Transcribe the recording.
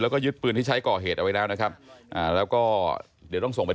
แล้วก็ยึดปืนที่ใช้ก่อเหตุเอาไว้แล้วนะครับอ่าแล้วก็เดี๋ยวต้องส่งไป